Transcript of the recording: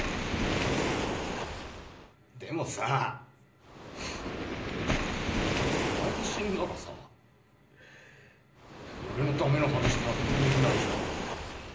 でもさお前が死んだらさ俺の駄目な話誰ともできないじゃん。